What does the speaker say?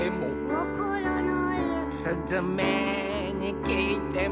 「わからない」「すずめにきいても」